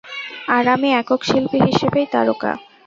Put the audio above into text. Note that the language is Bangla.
আর আমি একক শিল্পী হিসেবেই তারকা।